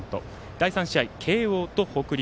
第３試合、慶応と北陸。